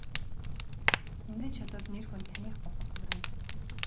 Ингэж чадвал нэр хүнд таных болон хувирна.